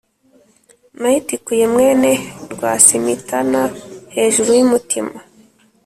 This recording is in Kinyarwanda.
nayitikuye mwene rwasimitana hejuru y'umutima